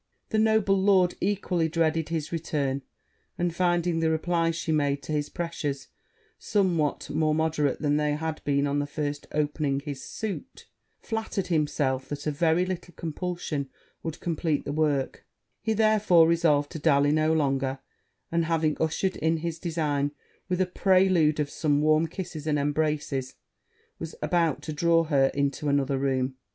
The noble lord equally dreaded his return; and finding the replies she made to his pressures somewhat more moderate than they had been on the first opening his suit, flattered himself that a very little compulsion would compleat the work: he therefore resolved to dally no longer; and having ushered in his design with a prelude of some warm kisses and embraces, was about to draw her into another room.